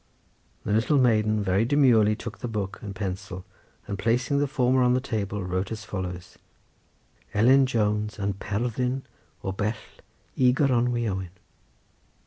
The little maiden very demurely took the book and pencil, and placing the former on the table wrote as follows: "Ellen Jones yn perthyn o bell i gronow owen."